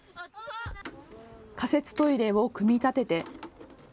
仮設トイレを組み立てて。